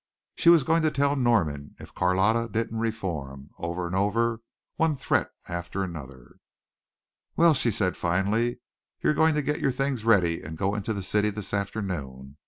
She was going to tell Norman if Carlotta didn't reform over and over, one threat after another. "Well," she said, finally, "you're going to get your things ready and go into the city this afternoon.